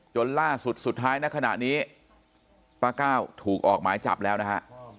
จนล่าสุดสุดท้ายในขณะนี้ป้าก้าวถูกออกหมายจับแล้วนะฮะ